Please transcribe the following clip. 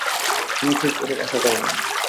তিনি ঠিক এরূপ আশা করেন নাই।